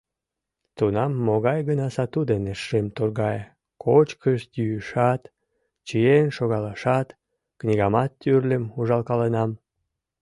Тунам могай гына сату дене шым торгае: кочкыш-йӱышат, чиен шогалашат, книгамат тӱрлым ужалкаленам.